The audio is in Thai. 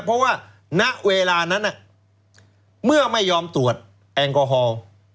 เพราะว่าณเวลานั้นเมื่อไม่ยอมตรวจแอลกอฮอล์